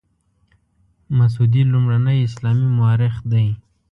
مسعودي لومړنی اسلامي مورخ دی.